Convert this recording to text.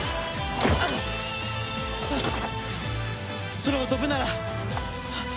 空を飛ぶなら。